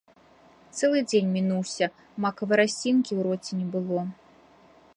Цэлы дзень мінуўся — макавай расінкі ў роце не было.